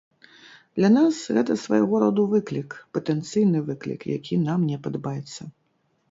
Для нас гэта свайго роду выклік, патэнцыйны выклік, які нам не падабаецца.